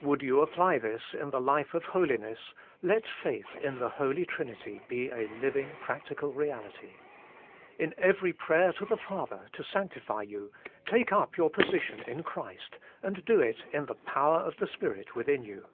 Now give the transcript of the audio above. Would you apply this in the life of holiness, let faith in the Holy Trinity be a living practical reality. In every prayer to the Father to sanctify you, take up your position in Christ, and do it in the power of the Spirit within you.